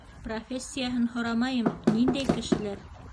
Профессияһын һорамайым, ниндәй кешеләр?